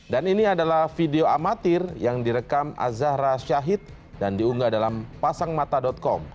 dan ini adalah video amatir yang direkam azahra syahid dan diunggah dalam pasangmata com